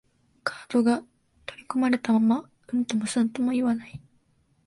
カードが取り込まれたまま、うんともすんとも言わない